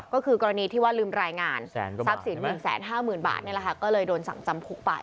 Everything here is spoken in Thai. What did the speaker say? ก็คือกรณีที่ว่าลืมรายงานทรัพย์สิน๑๕๐๐๐บาทนี่แหละค่ะก็เลยโดนสั่งจำคุกไป